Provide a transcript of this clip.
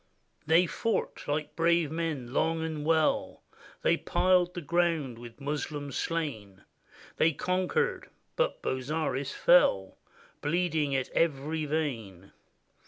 They fought — like brave men, long and well; They piled that ground with Moslem slain; They conquered — but Bozzaris fell. Bleeding at every vein.